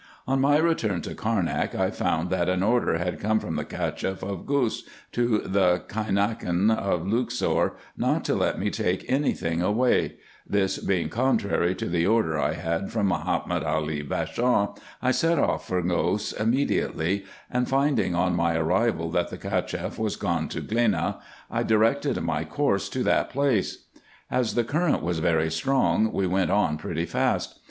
On my return to Carnak, I found, that an order had come from the Cacheff of Gous to the Caimakan of Luxor, not to let me take any thing away : this being contrary to the order I had from Mahomet Ali Bashaw, I set off for Gous immediately ; and finding, on my arrival, that the IN EGYPT, NUBIA, &c. 117 Cacheff was gone to Gheneh, I dii*ected my course to that place. As the current was very strong, we went on pretty fast.